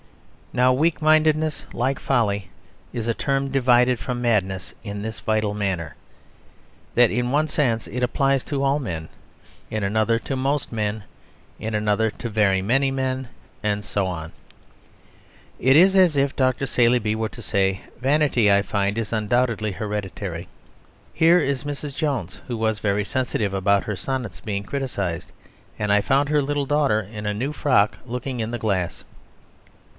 Now weak mindedness, like folly, is a term divided from madness in this vital manner that in one sense it applies to all men, in another to most men, in another to very many men, and so on. It is as if Dr. Saleeby were to say, "Vanity, I find, is undoubtedly hereditary. Here is Mrs. Jones, who was very sensitive about her sonnets being criticised, and I found her little daughter in a new frock looking in the glass.